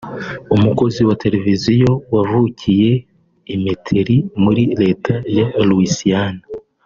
umukozi wa televiziyo wavukiye i Metairie muri leta ya Louisiana